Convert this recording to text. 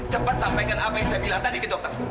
cepat sampaikan apa yang saya bilang tadi ke dokter